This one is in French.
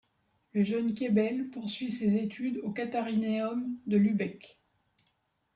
Le jeune Kaibel poursuit ses études au Katharineum de Lübeck.